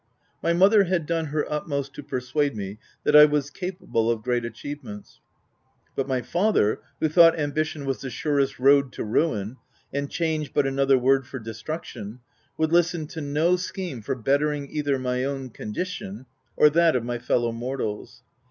My mother had done her utmost to persuade me that I was capable of great achievements ; but my father, who thought b THE TENANT ambition was the surest road to ruin, and change but another word for destruction, would listen to no scheme for bettering either my own con dition, or that of my fellow mortals.